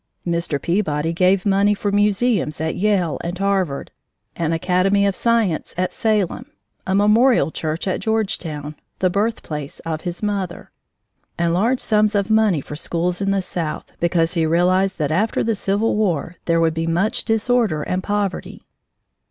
Mr. Peabody gave money for museums at Yale and Harvard, an Academy of Science at Salem, a memorial church at Georgetown, the birthplace of his mother, and large sums of money for schools in the South, because he realized that after the Civil War there would be much disorder and poverty.